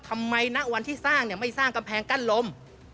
ทำไมนักอวัลที่สร้างไม่สร้างกำแพงกั้นลม